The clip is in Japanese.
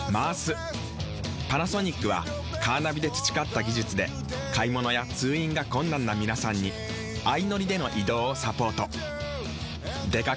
パナソニックはカーナビで培った技術で買物や通院が困難な皆さんに相乗りでの移動をサポート。